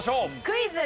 クイズ！